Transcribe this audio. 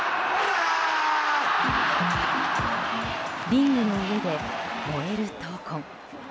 リングの上で燃える闘魂。